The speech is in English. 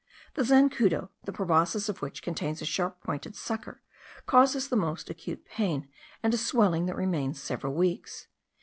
The zancudo, the proboscis of which contains a sharp pointed sucker, causes the most acute pain, and a swelling that remains several weeks.